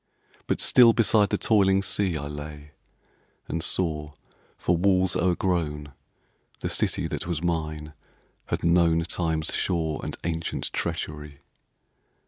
7i TO IN A COOLBRITH But still beside the toiling sea I lay, and saw — for walls o'ergrown The city that was mine had known Time's sure and ancient treachery.